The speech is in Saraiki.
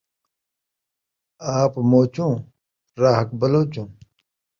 آپ موچوں, راہک بلوچوں